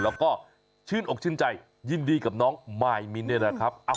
แล้วก็ชื่นอกชื่นใจยินดีกับน้องมายมิ้นเนี่ยนะครับ